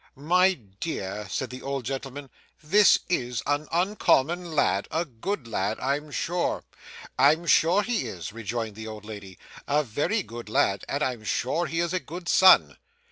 'My dear,' said the old gentleman. 'This is an uncommon lad; a good lad, I'm sure.' 'I'm sure he is,' rejoined the old lady. 'A very good lad, and I am sure he is a good son.